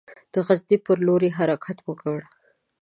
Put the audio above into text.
د غزني پر لور یې حرکت وکړ.